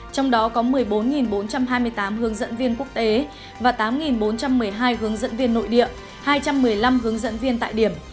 trong đó có một mươi bốn bốn trăm hai mươi tám hướng dẫn viên quốc tế và tám bốn trăm một mươi hai hướng dẫn viên nội địa hai trăm một mươi năm hướng dẫn viên tại điểm